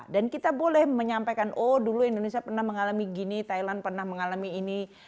dan kita boleh menyampaikan oh dulu indonesia pernah mengalami gini thailand pernah mengalami ini